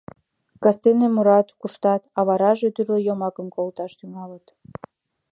Кастене мурат, куштат, а вараже тӱрлӧ йомакым колташ тӱҥалыт.